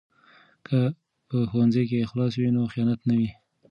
که په ښوونځي کې اخلاص وي نو خیانت نه وي.